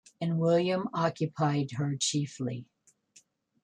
And William occupied her chiefly.